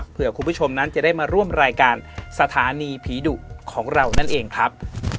เพื่อคุณผู้ชมนั้นจะได้มาร่วมรายการสถานีผีดุของเรานั่นเองครับ